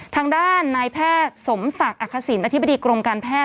ทางด้านนายแพทย์สมศักดิ์อักษิณอธิบดีกรมการแพท